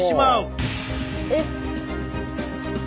えっ！